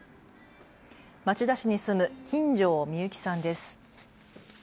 町田市に住む金城みゆきさんです。